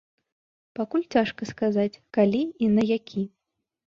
Пакуль цяжка сказаць, калі і на які.